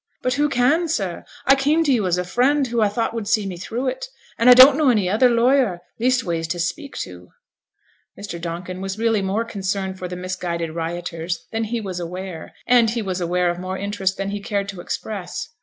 'But who can, sir? I came to you as a friend who, I thought, would see me through it. And I don't know any other lawyer; leastways, to speak to.' Mr. Donkin was really more concerned for the misguided rioters than he was aware; and he was aware of more interest than he cared to express.